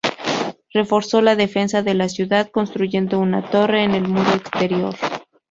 Reforzó la defensa de la ciudad, construyendo una torre en el muro exterior.